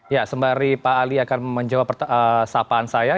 ya sembari pak ali akan menjawab sapaan saya